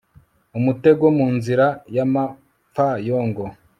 umutego mu nzira y'abapfayongo